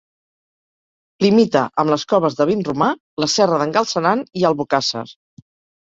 Limita amb les Coves de Vinromà, la Serra d'en Galceran i Albocàsser.